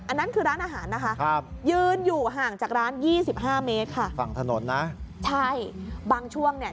อันนั้นคือร้านอาหารนะคะยืนอยู่ห่างจากร้าน๒๕เมตรค่ะใช่บางช่วงเนี่ย